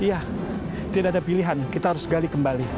iya tidak ada pilihan kita harus gali kembali